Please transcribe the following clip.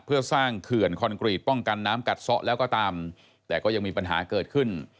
เพื่อสร้างเขื่อนคอนกรีตป้องกันน้ำกัดซะแล้วก็ตามแต่ก็ยังมีปัญหาเกิดขึ้น